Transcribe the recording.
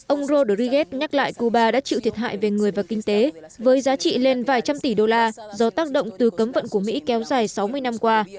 ông rodriguez nhắc lại cuba đã chịu thiệt hại về người và kinh tế với giá trị lên vài trăm tỷ đô la do tác động từ cấm vận của mỹ kéo dài sáu mươi năm qua